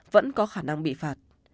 vẫn có khả năng bị phạt